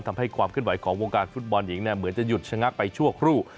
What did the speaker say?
ทำให้ความขึ้นไหวของวงการฟุตบอลหญิงเหมือนจะหยุดชะงักไปชั่วครู่